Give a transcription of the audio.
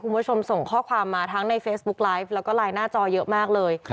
คุณผู้ชมส่งข้อความมาทั้งในเฟซบุ๊กไลฟ์แล้วก็ไลน์หน้าจอเยอะมากเลย